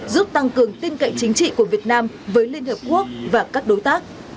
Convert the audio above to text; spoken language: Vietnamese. giúp tăng cường tin cậy chính trị của việt nam với liên hợp quốc và các đối tác